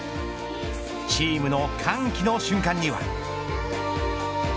チームの歓喜の瞬間には。